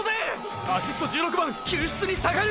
アシスト１６番救出に下がる！！